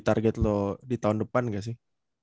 target lo di tahun depan gak sih